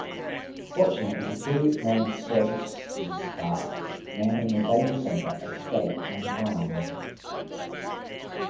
Fortunately the two managed services staff manning the Data Centre escaped unharmed.